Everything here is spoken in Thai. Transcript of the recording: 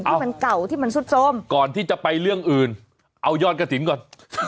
ที่มันเก่าที่มันซุดโทรมก่อนที่จะไปเรื่องอื่นเอายอดกระถิ่นก่อน